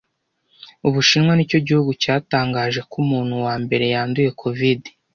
Ubushinwa nicyo gihugu cyatangaje ko umuntu wambere yanduye covide